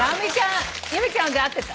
由美ちゃんので合ってた。